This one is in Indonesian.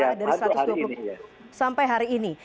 mulai dari satu ratus dua puluh sampai hari ini